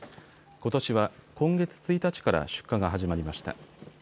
ことしは今月１日から出荷が始まりました。